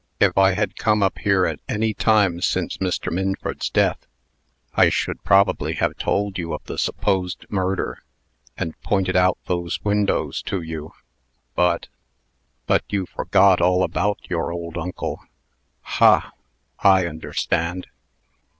If I had come up here at any time since Mr. Minford's death, I should probably have told you of the supposed murder, and pointed out those windows to you. But " "But you forgot all about your old uncle. Ha! I understand.